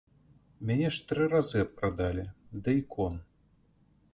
Мяне ж тры разы абкрадалі, да ікон!